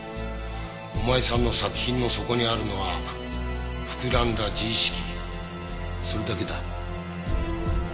お前さんの作品の底にあるのは膨らんだ自意識それだけだ。